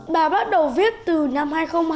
bà bắt đầu viết từ năm hai nghìn hai mươi